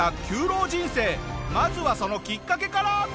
浪人生まずはそのきっかけから。